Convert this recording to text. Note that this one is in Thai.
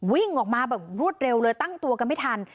วิ่งออกมาแบบรวดเร็วเลยตั้งตัวกันไม่ทัน